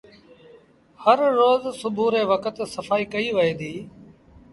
هر روز سُوڀو ري وکت سڦآئيٚ ڪئيٚ وئي ديٚ۔